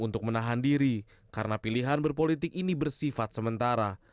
untuk menahan diri karena pilihan berpolitik ini bersifat sementara